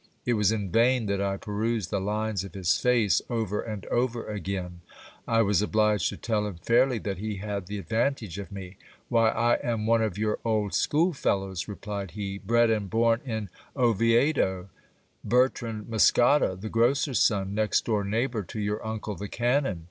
It was in vain that I perused the lines of his face over and over again ; I was obliged to tell him fairly that he had the advantage of me. Why, I am one of your old schoolfellows ! replied he, bred and born in Oviedo ; Bertrand Muscada, the grocer's son, next door neighbour to your uncle the canon.